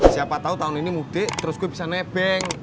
siapa tahu tahun ini mudik terus gue bisa nebeng